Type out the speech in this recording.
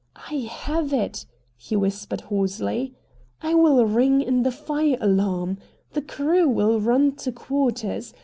"I have it!" he whispered hoarsely: "I will ring in the fire alarm! The crew will run to quarters.